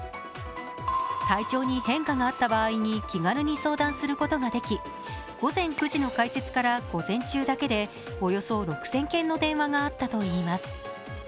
体調に変化があった場合に気軽に相談することができ、午前９時の開設から午前中だけでおよそ６０００件の電話があったといいます。